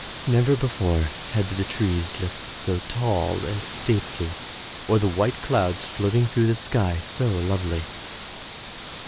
Never before had the trees looked so tall and stately, or the white clouds floating through the sky so lovely.